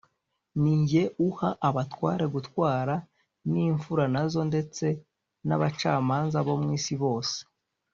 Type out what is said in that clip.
ni jye uha abatware gutwara, n’imfura na zo ndetse n’abacamanza bo mu isi bose